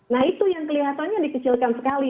nah itu yang kelihatannya dikecilkan sekali